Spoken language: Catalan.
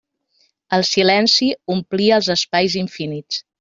El silenci omplia els espais infinits.